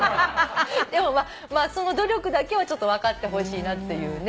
まあその努力だけはちょっと分かってほしいなっていうね。